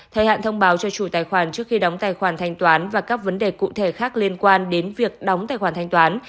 thời hạn thông báo cho chủ tài khoản trước khi đóng tài khoản thanh toán và các vấn đề cụ thể khác liên quan đến việc đóng tài khoản thanh toán